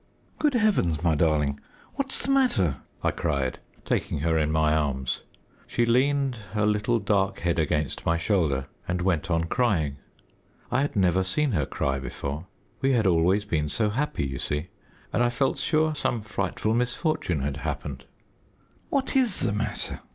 "Good heavens, my darling, what's the matter?" I cried, taking her in my arms. She leaned her little dark head against my shoulder and went on crying. I had never seen her cry before we had always been so happy, you see and I felt sure some frightful misfortune had happened. "What is the matter?